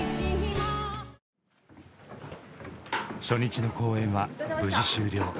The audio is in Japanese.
初日の公演は無事終了。